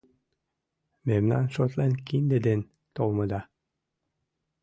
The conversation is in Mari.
Мемнам шотлен кинде ден толмыда.